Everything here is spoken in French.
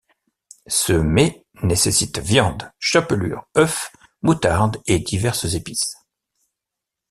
Ce mets nécessite viande, chapelure, œufs, moutarde et diverses épices.